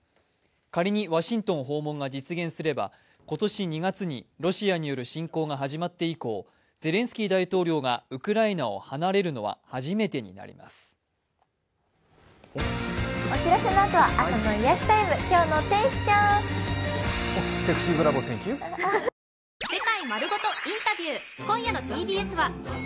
仮にワシントン訪問が実現すれば今年２月にロシアによる侵攻が始まって以降、ゼレンスキー大統領がウクライナを離れるのはいよいよ厳しい冬本番。